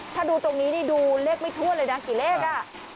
ถ้าดูตรงนี้นี่ดูเลขไม่ทั่วเลยนะกี่เลขอ่ะ